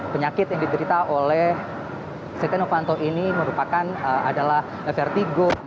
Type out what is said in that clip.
penyakit yang diderita oleh setia novanto ini merupakan adalah vertigo